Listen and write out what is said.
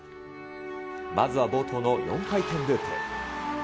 まずは冒頭の４回転ループ。